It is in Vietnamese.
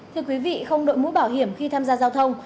thưa quý vị không đội mũ bảo hiểm khi tham gia giao thông